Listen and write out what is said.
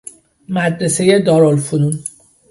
مدرسۀ دار الفنون